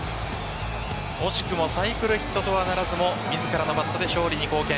惜しくもサイクルヒットとはならずも自らのバットで勝利に貢献。